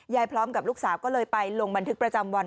พร้อมกับลูกสาวก็เลยไปลงบันทึกประจำวัน